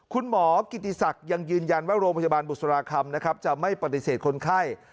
คุณหมอกิติศักดิ์ยังยืนยันว่าโรงพยาบาลบุษราคำนะครับจะไม่ปฏิเสธคนไข้